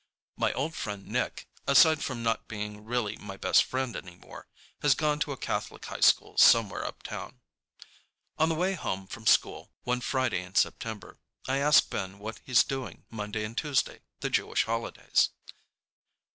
My old friend Nick, aside from not really being my best friend anymore, has gone to a Catholic high school somewhere uptown. On the way home from school one Friday in September, I ask Ben what he's doing Monday and Tuesday, the Jewish holidays.